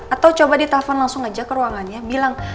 atau coba ditelepon langsung aja ke ruangannya bilang